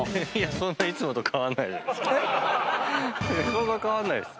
そんな変わんないです。